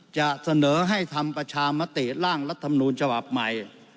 จะเสนอให้ทำประชามติร่างรัฐมนูลฉบับใหม่